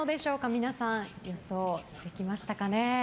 皆さん、予想書きましたかね。